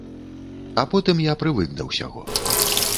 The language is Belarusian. А потым я прывык да ўсяго.